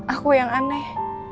aku yang aneh